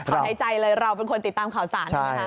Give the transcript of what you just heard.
ถอยใจเลยเราเป็นคนติดตามข่าวสารนะครับ